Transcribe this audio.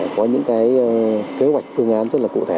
có những kế hoạch phương án rất cụ thể